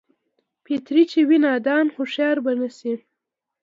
فطرتي چې وي نادان هوښيار به نشي